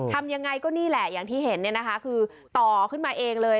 ทำอย่างไรก็นี่แหละอย่างที่เห็นคือต่อขึ้นมาเองเลย